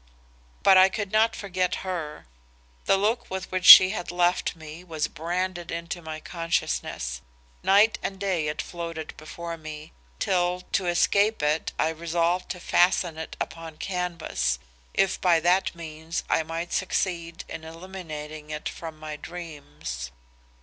"But I could not forget her. The look with which she had left me was branded into my consciousness. Night and day it floated before me, till to escape it I resolved to fasten it upon canvas, if by that means I might succeed in eliminating it from my dreams.